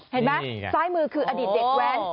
เห็นไหมซ้ายมือคืออดีตเด็กแว้น